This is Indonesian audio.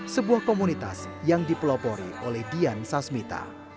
sebuah komunitas yang dipelopori oleh dian sasmita